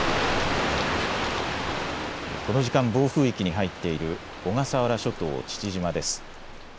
この時間、暴風域に入っている小笠原諸島父島です。